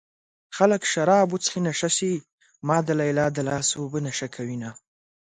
خلک شراب وڅښي نشه شي ما د ليلا د لاس اوبه نشه کوينه